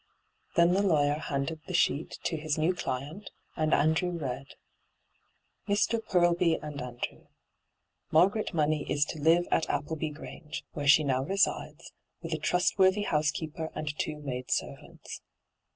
Then the lawyer handed the sheet to his new client, and Andrew read :' Mr. Poblbt ano Andrew, ' Margaret Money is to live at Appleby Grange, where she now resides, with a trust worthy housekeeper and two maid servants.